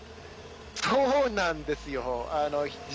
そうなんですよ。